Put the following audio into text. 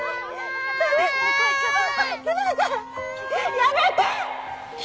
やめて！